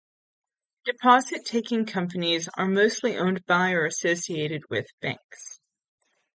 Deposit-taking companies are mostly owned by, or associated with, banks.